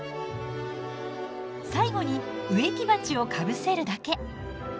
最後に植木鉢をかぶせるだけ。